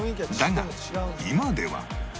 だが今では